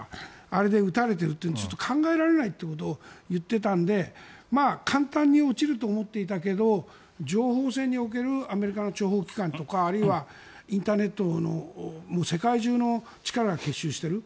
あれで撃たれているというので考えられないということを言っていたので簡単に落ちると思っていたけど情報戦におけるアメリカの諜報機関とかあるいはインターネットの世界中の力が結集している。